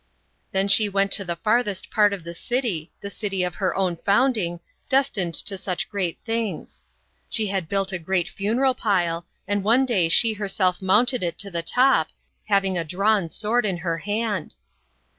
Then she went to the farthest part of the city the city of her own founding, destined to such great things. She had built a great funeral pile, and one day she herself mounted it to the top, having* a drawn sword in her hand.